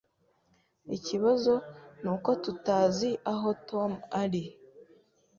Ikibazo nuko tutazi aho Tom ari.